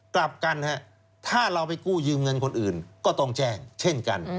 กลับกันถ้าเราไปกู้ยืมเงินคนอื่นก็ต้องแจ้งเช่นกัน